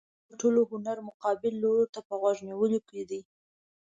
د بحث د ګټلو هنر مقابل لوري ته په غوږ نیولو کې دی.